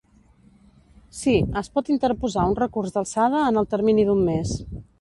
Sí, es pot interposar un recurs d'alçada en el termini d'un mes.